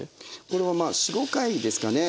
これはまあ４５回ですかね。